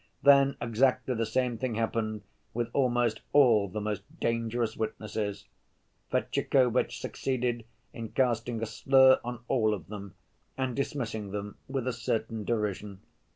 Then exactly the same thing happened with almost all the most dangerous witnesses. Fetyukovitch succeeded in casting a slur on all of them, and dismissing them with a certain derision.